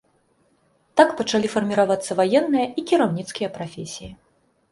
Так пачалі фарміравацца ваенныя і кіраўніцкія прафесіі.